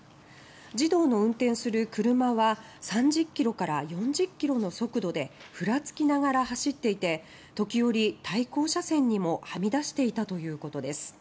児童の運転する車は３０キロから４０キロの速度でふらつきながら走っていて時折、対向車線にもはみ出していたということです。